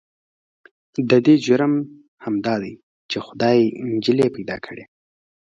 د دې جرم همدا دی چې خدای يې نجلې پيدا کړې.